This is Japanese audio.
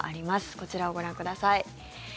こちらをご覧ください。